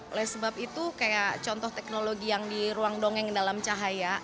oleh sebab itu kayak contoh teknologi yang di ruang dongeng dalam cahaya